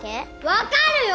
わかるよ！